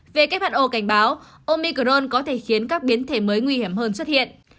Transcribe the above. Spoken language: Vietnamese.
who cảnh báo omicron có thể khiến các biến thể mới nguy hiểm